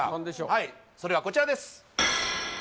はいそれはこちらです